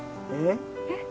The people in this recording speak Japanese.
えっ？